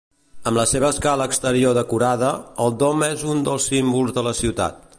Amb la seva escala exterior decorada, el dom és un dels símbols de la ciutat.